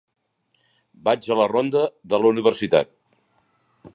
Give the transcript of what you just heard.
Vaig a la ronda de la Universitat.